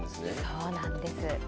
そうなんです。